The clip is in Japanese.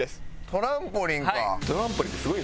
トランポリンか。